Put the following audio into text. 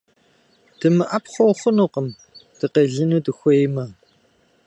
ДымыӀэпхъуэу хъунукъым, дыкъелыну дыхуеймэ.